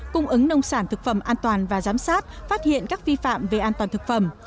cung ứng nông sản thực phẩm an toàn và giám sát phát hiện các vi phạm về an toàn thực phẩm